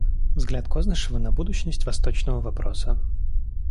Взгляд Кознышева на будущность восточного вопроса.